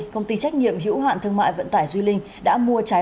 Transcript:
công ty trách nhiệm hữu hạn thương mại vận tải duy linh